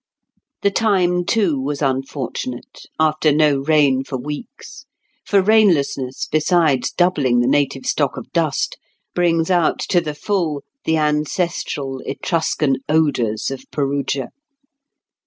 The time, too, was unfortunate, after no rain for weeks; for rainlessness, besides doubling the native stock of dust, brings out to the full the ancestral Etruscan odours of Perugia.